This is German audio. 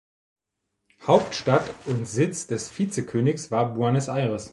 Hauptstadt und Sitz des Vizekönigs war Buenos Aires.